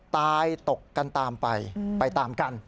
ตกกันตามไปไปตามกัน